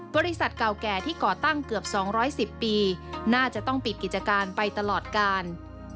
บริษัทเก่าแก่ที่ก่อตั้งเกือบ๒๑๐ปีน่าจะต้องปิดกิจการไปตลอดกาล